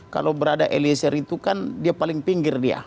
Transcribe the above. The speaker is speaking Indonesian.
kalau berada eliezer itu kan dia paling pinggir dia